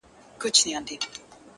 نور خپلي ويني ته شعرونه ليكو ـ